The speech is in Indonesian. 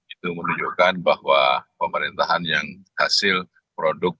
itu menunjukkan bahwa pemerintahan yang hasil produk